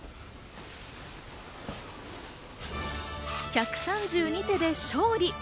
１３２手で勝利。